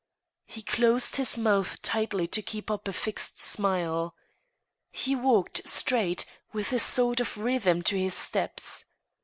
He closed his mouth tightly to keep up a fixed smile. He walked straight, with a sort of rhythm to his steps.